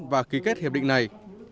và ký kết hiệp định này